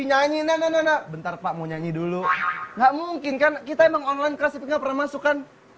nyanyi nana bentar pak mau nyanyi dulu nggak mungkin kan kita emang online class tidak pernah masukkan